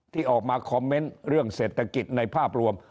ที่ออกมาคอมเมนต์เรื่องเศรษฐกิจในภาพรวม